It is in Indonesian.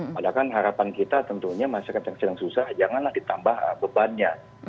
padahal kan harapan kita tentunya masyarakat yang sedang susah janganlah ditambah bebannya